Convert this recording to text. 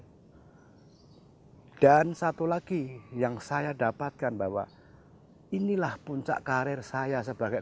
hai dan satu lagi yang saya dapatkan bahwa inilah puncak karir saya sebagai